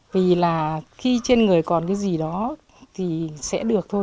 vì là khi trên người còn cái gì đó thì sẽ được thôi